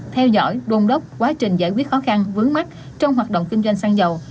theo dõi đôn đốc quá trình giải quyết khó khăn vướng mắt trong hoạt động kinh doanh xăng dầu